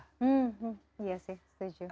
iya sih setuju